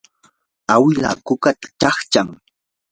awila kukatan chaqchan.